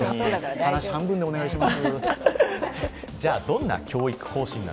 話半分でお願いします。